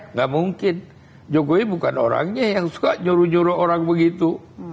nggak mungkin jokowi bukan orangnya yang suka nyuruh nyuruh orang begitu